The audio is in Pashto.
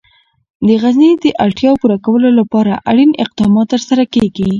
د غزني د اړتیاوو پوره کولو لپاره اړین اقدامات ترسره کېږي.